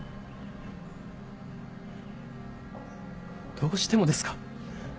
どうしてもですか？